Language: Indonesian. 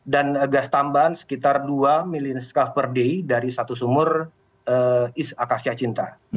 dan gas tambahan sekitar dua ml per day dari satu sumur east akasya cinta